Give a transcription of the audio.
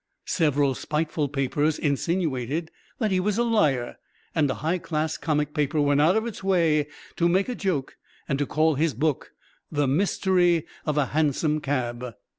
Several spiteful papers insinuated that he was a liar, and a high class comic paper went out of its way to make a joke, and to call his book "The Mystery of a Hansom Cab."